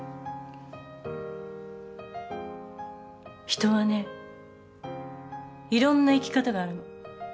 人はねいろんな生き方があるの。